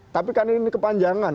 tapi kan ini kepanjangan